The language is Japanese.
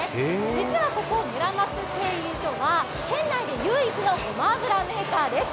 実はここ、村松製油所は県内で唯一のごま油メーカーです。